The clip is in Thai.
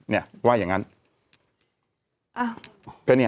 เนี่ยว่าอย่างนั้น